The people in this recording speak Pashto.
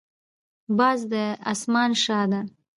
باز د اسمان شاه دی